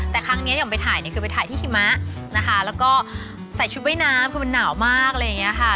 แต่ครั้งนี้อย่างไปถ่ายเนี่ยคือไปถ่ายที่หิมะนะคะแล้วก็ใส่ชุดว่ายน้ำคือมันหนาวมากอะไรอย่างเงี้ยค่ะ